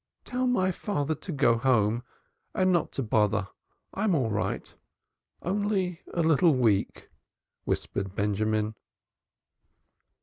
"Tell my father to go home, and not to bother; I'm all right only a little weak," whispered Benjamin.